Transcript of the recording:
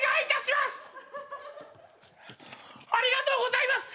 ありがとうございます。